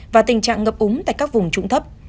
và tình trạng ngập úng tại các vùng trụng thấp